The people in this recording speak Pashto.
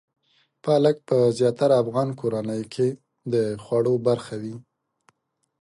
پالک په زیاترو افغان کورنیو کې د خوړو برخه وي.